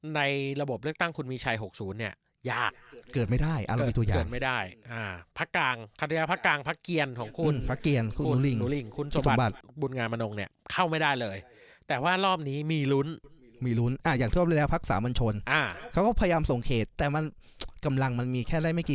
ในระบบเลือกตั้งคุณมีชายหกศูนย์เนี่ยยากเกิดไม่ได้อารมณ์ตัวอย่างเกิดไม่ได้อ่าพระกลางขาดเรือพระกลางพระเกียรติของคุณพระเกียรติคุณหนูหลิงคุณสมบัติบุญงานมนุงเนี่ยเข้าไม่ได้เลยแต่ว่ารอบนี้มีลุ้นมีลุ้นอ่าอย่างที่เราไปแล้วพักสามบัญชนอ่าเขาก็พยายามส่งเขตแต่มันกำลังมันมีแค่ได้